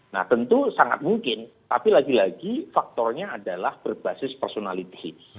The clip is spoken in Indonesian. nah tentu sangat mungkin tapi lagi lagi faktornya adalah berbasis personality